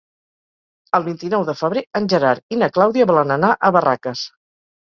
El vint-i-nou de febrer en Gerard i na Clàudia volen anar a Barraques.